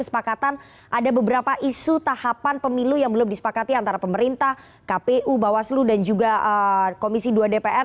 kesepakatan ada beberapa isu tahapan pemilu yang belum disepakati antara pemerintah kpu bawaslu dan juga komisi dua dpr